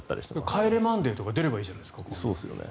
「帰れマンデー」とか出ればいいじゃないですか。